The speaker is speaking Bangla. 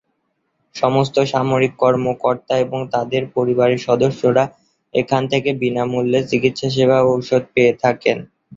সমস্ত সামরিক কর্মকর্তা এবং তাদের পরিবারের সদস্যরা এখান থেকে বিনামূল্যে চিকিৎসাসেবা ও ঔষধ পেয়ে থাকেন।